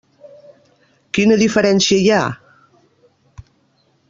Quina diferència hi ha?